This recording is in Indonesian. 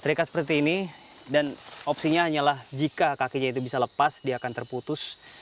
terikat seperti ini dan opsinya hanyalah jika kakinya itu bisa lepas dia akan terputus